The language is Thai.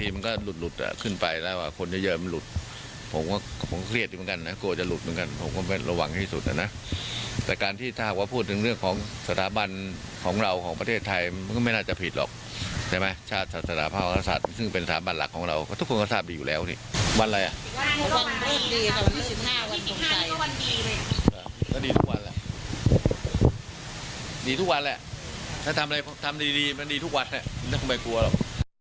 วันไหนอ่ะวันที่๑๕มีก็วันดีเลยดีทุกวันแหละถ้าทำอะไรทำดีมันดีทุกวันเนี่ยมันก็ไม่กลัวหรอก